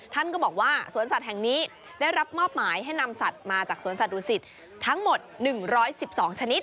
ท่านก็บอกว่าสวนสัตว์แห่งนี้ได้รับมอบหมายให้นำสัตว์มาจากสวนสัตวศิษฐ์ทั้งหมด๑๑๒ชนิด